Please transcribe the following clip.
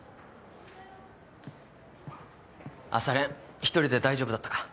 朝練１人で大丈夫だったか？